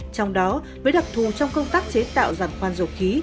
trong đó với đặc thù trong công tác chế tạo giàn khoan dầu khí